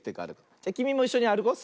じゃきみもいっしょにあるこう。